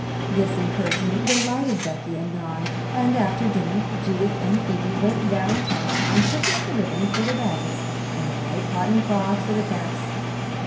This encouragement delighted Becky and Don and after dinner Judith and Phoebe went down town and purchased the ribbon for the badges and white cotton cloth for the caps.